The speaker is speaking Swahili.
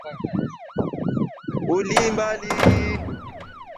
Uli mbali.